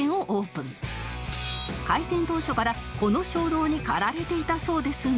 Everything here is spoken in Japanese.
開店当初からこの衝動に駆られていたそうですが